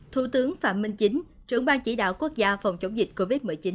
thủ tướng phạm minh chính trưởng ban chỉ đạo quốc gia phòng chống dịch covid một mươi chín